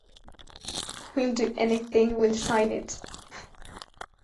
We'll do anything, we'll sign it".